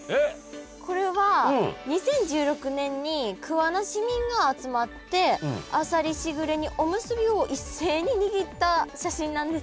これは２０１６年に桑名市民が集まってあさりしぐれ煮おむすびを一斉ににぎった写真なんです。